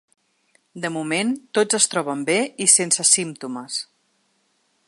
De moment, tots es troben bé i sense símptomes.